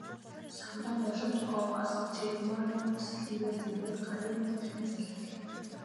Самдан улам ч ов асаж Цэрэгмаагийн бүсэлхийгээр тэврэхэд гарыг нь түлхэн зайлуулав.